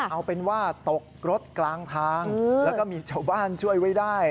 เอาเป็นว่าตกรถกลางทางแล้วก็มีชาวบ้านช่วยไว้ได้